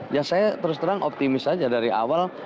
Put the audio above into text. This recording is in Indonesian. ya saya terus terang optimis saja dari awal